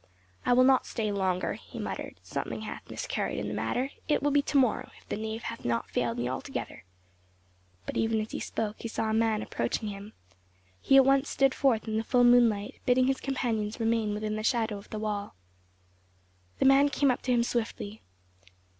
"I will not stay longer," he muttered, "something hath miscarried in the matter; it will be to morrow if the knave hath not failed me altogether." But even as he spoke he saw a man approaching him. He at once stood forth in the full moonlight, bidding his companions remain within the shadow of the wall. The man came up to him swiftly.